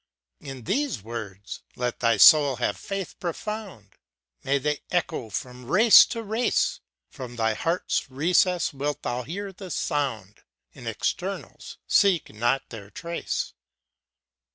ŌĆö In these Words, let thy soul have faith profound, May they echo from race to race! From thy heart's recess wilt thou hear the sound, In externals , seek not their trace.